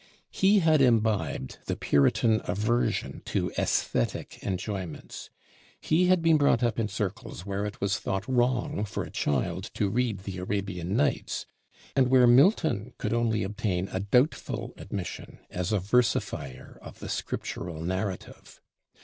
He had imbibed the Puritan aversion to æsthetic enjoyments. He had been brought up in circles where it was thought wrong for a child to read the 'Arabian Nights,' and where Milton could only obtain a doubtful admission as a versifier of the Scriptural narrative.